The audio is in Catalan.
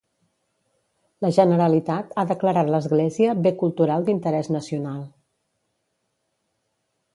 La Generalitat ha declarat l'església Bé Cultural d'Interès Nacional.